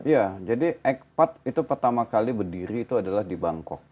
ya jadi ekpat itu pertama kali berdiri itu adalah di bangkok